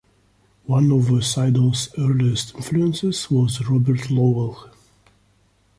One of Seidel's earliest influences was Robert Lowell.